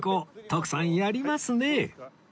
徳さんやりますね